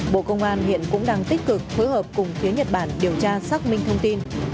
bộ công an hiện cũng đang tích cực phối hợp cùng phía nhật bản điều tra xác minh thông tin